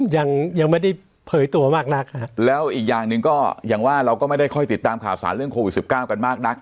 ยังไม่ได้เผยตัวมากนักแล้วอีกอย่างหนึ่งก็อย่างว่าเราก็ไม่ได้ค่อยติดตามข่าวสารเรื่องโควิดสิบเก้ากันมากนัก